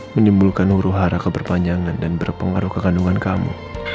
menimbulkan huru hara keberpanjangan dan berpengaruh ke kandungan kamu